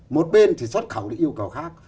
một bên thì xuất khẩu là yêu cầu khác